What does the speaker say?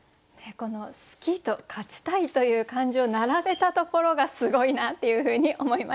この「好き」と「勝ちたい」という感情並べたところがすごいなっていうふうに思いました。